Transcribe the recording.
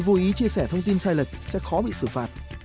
nhưng hành vi chia sẻ thông tin sai lệch sẽ khó bị xử phạt